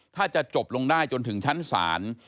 ถ้าจะจบลงได้จนถึงชั้นศาล